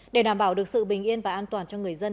để đảm bảo được sự bình yên và an toàn cho người dân